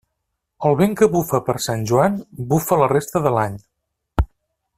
El vent que bufa per Sant Joan, bufa la resta de l'any.